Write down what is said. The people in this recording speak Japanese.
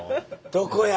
どこや？